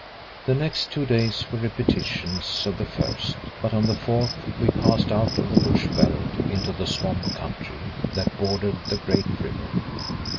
The next two days were repetitions of the first, but on the fourth we passed out of the bush veld into the swamp country that bordered the great river.